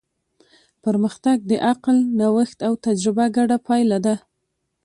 پرمختګ د عقل، نوښت او تجربه ګډه پایله ده.